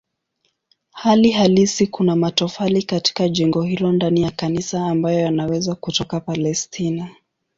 Hali halisi kuna matofali katika jengo hilo ndani ya kanisa ambayo yanaweza kutoka Palestina.